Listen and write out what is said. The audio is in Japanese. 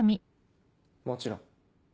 もちろん。